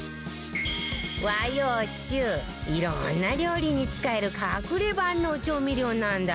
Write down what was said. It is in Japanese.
和洋中いろんな料理に使える隠れ万能調味料なんだって